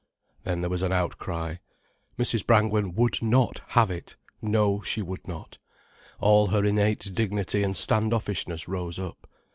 Then there was an outcry. Mrs. Brangwen would not have it; no, she would not. All her innate dignity and standoffishness rose up.